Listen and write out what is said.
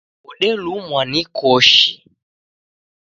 Wodelumwa ni koshi